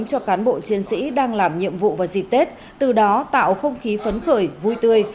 cho cán bộ chiến sĩ đang làm nhiệm vụ vào dịp tết từ đó tạo không khí phấn khởi vui tươi